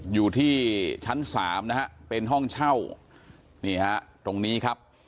อยู่ที่ชั้นสามนะฮะเป็นห้องเช่านี่ฮะตรงนี้ครับ